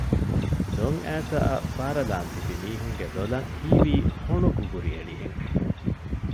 ދޮން އައިސަ އަށް ފާރަލާން ތިބި މީހުންގެ ލޮލަށް ހީވީ ހޮނުގުގުރި އެޅި ހެން